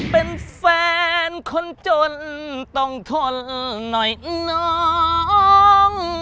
เป็นแฟนคนจนต้องทนหน่อยน้อง